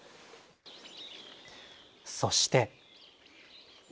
そして。